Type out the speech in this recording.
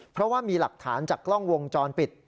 เพราะว่ามีหลักฐานจากกล้องวงจรปิด